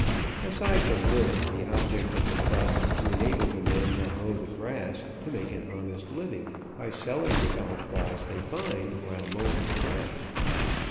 Aside from this, the object of the club is to enable the men that mow the grass to make an honest living by selling the golf balls they find while mowing the grass.